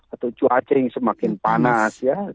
atau cuaca yang semakin panas ya